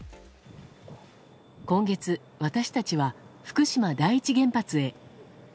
今月、私たちは福島第一原発へ。